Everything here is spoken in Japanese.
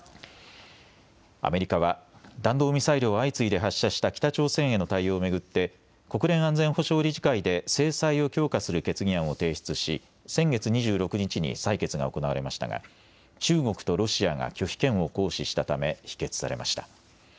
アメリカは、弾道ミサイルを相次いで発射した北朝鮮への対応を巡って、国連安全保障理事会で制裁を強化する決議案を提出し、先月２６日に採決が行われましたが、中国とロシアが拒否権を行使したため、否決されました。